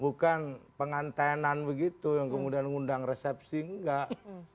bukan pengantenan begitu yang kemudian ngundang resepsi enggak